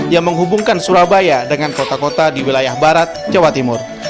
yang menghubungkan surabaya dengan kota kota di wilayah barat jawa timur